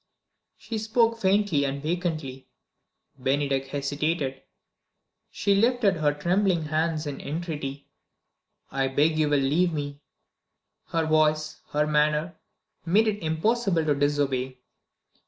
She spoke faintly and vacantly. Bennydeck hesitated. She lifted her trembling hands in entreaty. "I beg you will leave me!" Her voice, her manner, made it impossible to disobey.